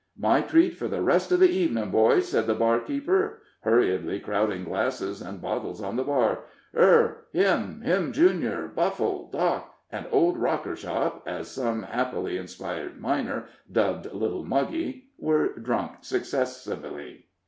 "My treat for the rest of the evening, boys," said the barkeeper, hurriedly crowding glasses and bottles on the bar. "Her," "Him," "Him, Junior," "Buffle," "Doc.," and "Old Rockershop," as some happily inspired miner dubbed little Muggy, were drunk successively.